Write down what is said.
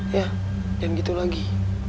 ya dan gitu lagi